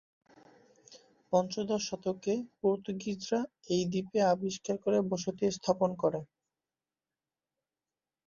পঞ্চদশ শতকে পর্তুগিজরা এই দ্বীপ আবিষ্কার করে বসতি স্থাপন করে।